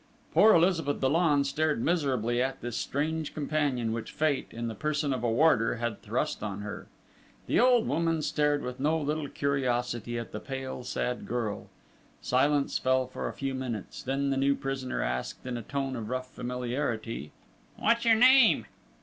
Poor Elizabeth Dollon stared miserably at this strange companion which Fate, in the person of a warder, had thrust on her. The old woman stared with no little curiosity at the pale, sad girl.... Silence fell for a few minutes, then the new prisoner asked, in a tone of rough familiarity: "What's your name?"